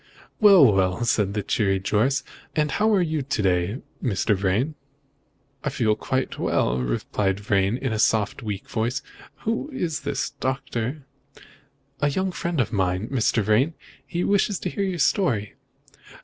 "Well, well!" said the cheery Jorce, "and how are you to day, Mr. Vrain?" "I feel very well," replied Vrain in a soft, weak voice. "Who is this, Doctor?" "A young friend of mine, Mr. Vrain. He wishes to hear your story."